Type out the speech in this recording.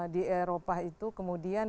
di eropa itu kemudian